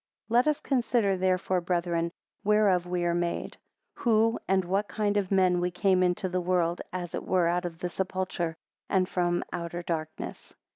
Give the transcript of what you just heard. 39 Let us consider therefore, brethren, whereof we are made; who, and what kind of men we came into the world, as it were out of a sepulchre, and from outer darkness.